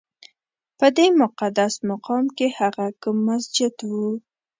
په دې مقدس مقام کې هغه کوم مسجد و؟